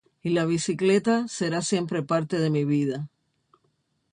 Y la bicicleta será siempre parte de mi vida.